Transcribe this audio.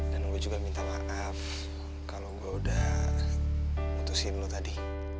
gue juga minta maaf kalau gue udah ngutusin lo tadi